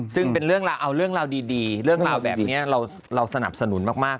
ซึ่งเป็นเรื่องราวเอาเรื่องราวดีเรื่องราวแบบนี้เราสนับสนุนมาก